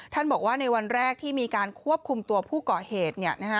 บอกว่าในวันแรกที่มีการควบคุมตัวผู้ก่อเหตุ